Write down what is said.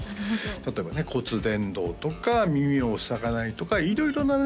例えばね骨伝導とか耳を塞がないとか色々なね